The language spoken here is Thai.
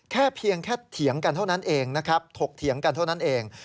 เพียงแค่เถียงกันเท่านั้นเองนะครับถกเถียงกันเท่านั้นเอง